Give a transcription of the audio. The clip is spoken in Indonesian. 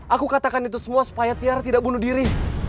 aku katakan itu semua supaya tiar tidak bunuh diri